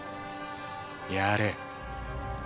やれ。